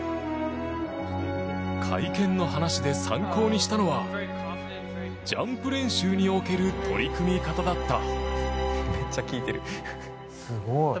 会見の話で参考にしたのはジャンプ練習における取り組み方だった。